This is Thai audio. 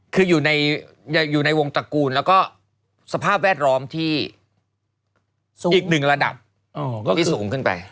คืออยู่ในวงตระกูลแล้วก็สภาพแวดล้อมที่อีกหนึ่งระดับที่สูงขึ้นไป